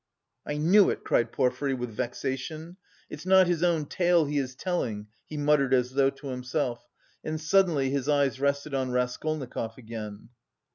"I knew it!" cried Porfiry, with vexation. "It's not his own tale he is telling," he muttered as though to himself, and suddenly his eyes rested on Raskolnikov again.